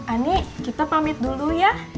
ani kita pamit dulu ya